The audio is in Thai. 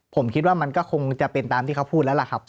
ผมคิดว่ามันก็คงจะเป็นตามที่เขาพูดแล้วล่ะครับ